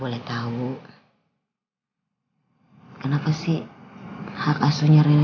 udah angget aja kering